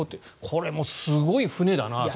これもすごい船だなと。